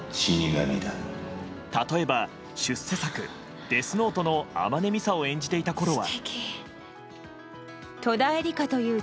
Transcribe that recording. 例えば、出世作「デスノート」の弥海砂を演じていたころは。